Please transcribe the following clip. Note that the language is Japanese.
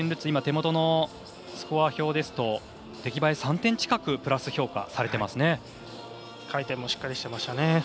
今、手元のスコア表ですと出来栄え３点近くプラス評価されていますね。